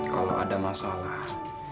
kalau ada masalah